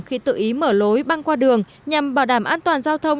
khi tự ý mở lối băng qua đường nhằm bảo đảm an toàn giao thông